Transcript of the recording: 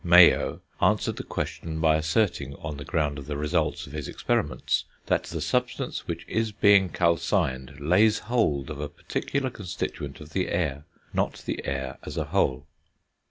Mayow answered the question by asserting, on the ground of the results of his experiments, that the substance which is being calcined lays hold of a particular constituent of the air, not the air as a whole.